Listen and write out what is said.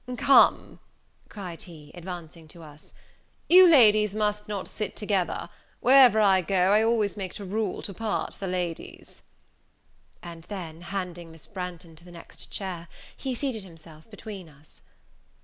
"Come," cried he, advancing to us, "you ladies must not sit together; wherever I go I always make it a rule to part the ladies." And then, handing Miss Branghton to the next chair, he seated himself between us.